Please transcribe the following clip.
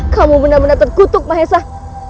kau bener bener terkutuk mahesan